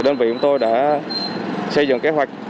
đơn vị của tôi đã xây dựng kế hoạch